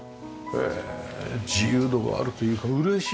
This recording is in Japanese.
へえ自由度があるというか嬉しい。